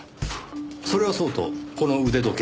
それはそうとこの腕時計。